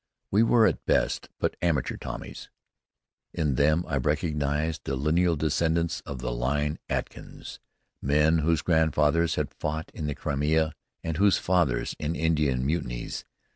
We were, at best, but amateur Tommies. In them I recognized the lineal descendants of the line Atkins; men whose grandfathers had fought in the Crimea, and whose fathers in Indian mutinies.